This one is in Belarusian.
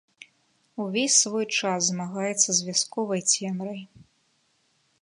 Увесь свой час змагаецца з вясковай цемрай.